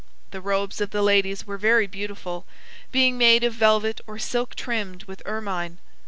The robes of the ladies were very beautiful, being made of velvet or silk trimmed with ermine.